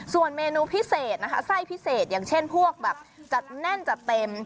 ส่วนเมนูพิเศษนะคะไส้พิเศษอย่างเช่นพวกแบบจัดแน่นจัดเต็ม